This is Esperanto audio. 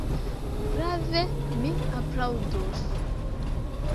Prave, mi aplaŭdus.